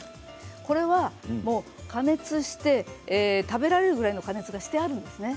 これは加熱して食べられるぐらいの加熱がしてあるんですね。